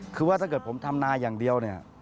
คือว่าถ้าเกิดผมทำนายอย่างเดียวเนี่ย